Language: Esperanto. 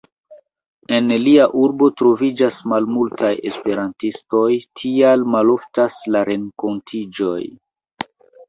En lia urbo troviĝas malmultaj esperantistoj, tial maloftas la renkontiĝoj.